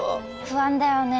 不安だよね？